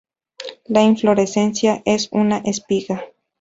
La inflorescencia es una espiga.